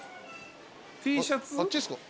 あっちっすか？